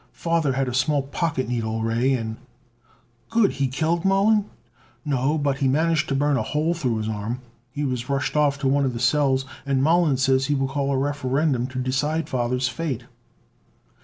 Father had a small pocket needle ray and " "Good! He killed Mollon?" "No. But he managed to burn a hole through his arm. He was rushed off to one of the cells. And Mollon says he will call a Referendum to decide Father's fate."